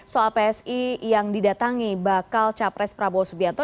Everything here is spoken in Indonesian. soal psi yang didatangi bakal capres prabowo subianto